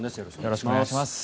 よろしくお願いします。